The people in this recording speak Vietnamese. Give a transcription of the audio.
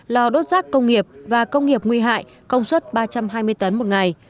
lò đốt rác công nghiệp và công nghiệp nguy hại công suất ba trăm hai mươi tấn một ngày